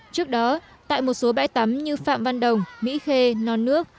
trước đó tại một số bãi tắm như phạm văn đồng mỹ khê non nước